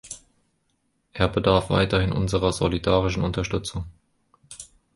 Er bedarf weiterhin unserer solidarischen Unterstützung.